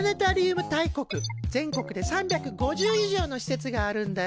全国で３５０以上のしせつがあるんだよ。